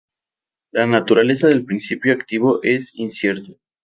La naturaleza del principio activo es incierta.